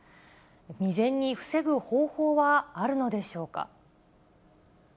未然に防ぐ方法はあるのでしょうか。